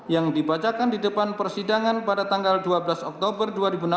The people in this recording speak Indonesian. yang dibacakan di depan persidangan pada tanggal dua belas oktober dua ribu enam belas